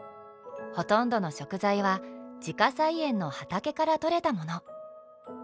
ほとんどの食材は自家菜園の畑から取れたもの。